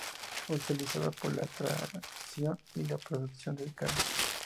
Utilizada para la tracción y la producción de carne.